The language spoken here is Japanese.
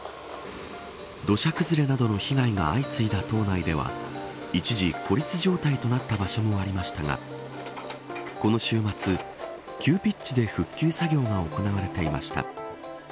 土砂崩れなどの被害が相次いだ島内では一時孤立状態となった場所もありましたがこの週末、急ピッチで復旧作業が行われていました。